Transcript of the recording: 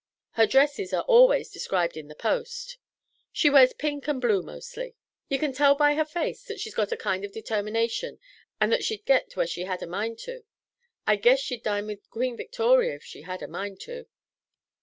Her dresses are always described in the Post: she wears pink and blue mostly. You kin tell by her face that she's got a lot of determination and that she'd git where she had a mind to. I guess she'd dine with Queen Victoria if she had a mind to."